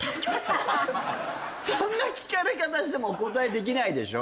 そんな聞かれ方してもお答えできないでしょ？